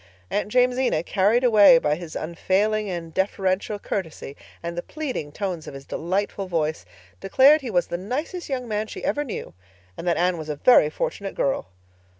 Aunt Jamesina, carried away by his unfailing and deferential courtesy, and the pleading tones of his delightful voice, declared he was the nicest young man she ever knew, and that Anne was a very fortunate girl.